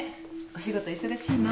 お仕事忙しいの？